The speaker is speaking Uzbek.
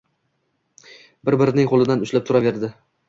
bir-birining qo‘lidan ushlab turaverdi.